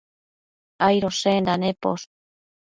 Aidoshenda neposh